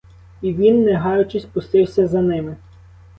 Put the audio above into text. І він, не гаючись, пустився за ними.